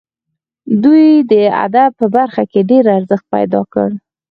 دوی د ادب په برخه کې ډېر ارزښت پیدا کړ.